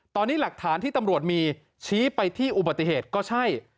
ตอนนี้หลักฐานที่ตำรวจมีชี้ไปที่อุบัติเหตุก็ใช่